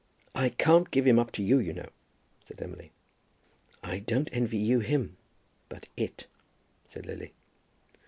"I can't give him up to you, you know," said Emily. "I don't envy you him, but 'it,'" said Lily.